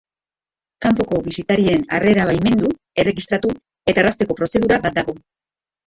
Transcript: Kanpoko bisitarien harrera baimendu, erregistratu eta errazteko prozedura bat dago.